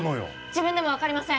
自分でも分かりません！